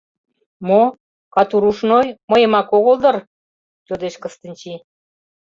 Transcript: — Мо, катурушной, мыйымак огыл дыр? — йодеш Кыстинчи.